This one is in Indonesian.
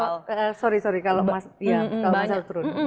nah sorry sorry kalau mas al turun